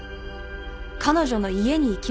彼女の家に行きましたよね。